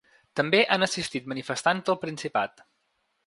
També han assistit manifestants del Principat.